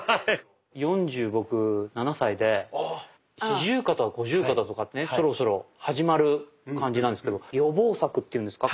４０僕４７歳で四十肩五十肩とかってそろそろ始まる感じなんですけど予防策っていうんですか